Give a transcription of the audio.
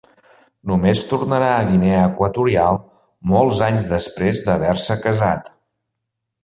Només tornarà a Guinea Equatorial molts anys després d'haver-se casat.